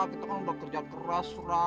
kita kan udah kerja keras ra